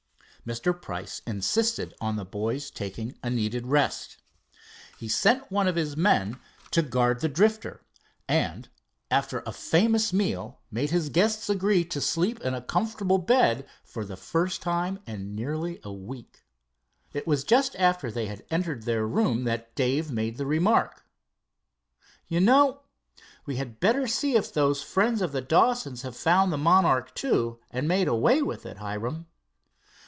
Mr. Price insisted on the boys taking a needed rest. He sent one of his men to guard the Drifter, and, after a famous meal, made his guests agree to sleep in a comfortable bed for the first time in nearly a week. It was just after they had entered their room that Dave made the remark. "You know we had better see if those friends of the Dawsons have found the Monarch II and made away with it, Hiram."